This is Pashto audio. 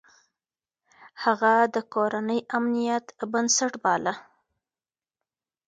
هغه د کورنۍ امنيت بنسټ باله.